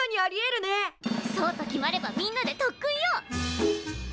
そうと決まればみんなで特訓よ！